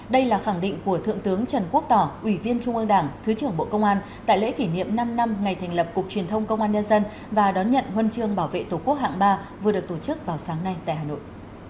đây là khẳng định của thượng tướng trần quốc tỏ ủy viên trung ương đảng thứ trưởng bộ công an tại lễ kỷ niệm năm năm ngày thành lập cục truyền thông công an nhân dân và đón nhận huân chương bảo vệ tổ quốc hạng ba vừa được tổ chức vào sáng nay tại hà nội